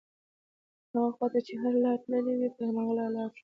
هماغه خواته چې هره لاره تللې وي پر هماغه به لاړ شو.